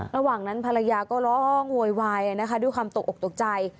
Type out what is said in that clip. ระหว่างนั้นภรรยาก็ร้องโวยวายนะคะด้วยความตกออกตกใจ